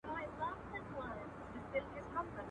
د بحث پر مهال څه پېښیږي؟